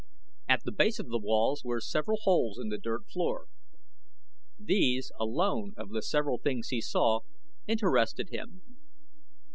At the base of the walls were several holes in the dirt floor. These, alone, of the several things he saw, interested him.